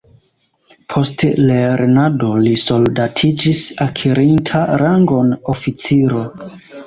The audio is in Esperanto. Post lernado li soldatiĝis akirinta rangon oficiro.